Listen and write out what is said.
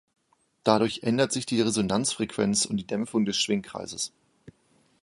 Dadurch ändert sich die Resonanzfrequenz und die Dämpfung des Schwingkreises.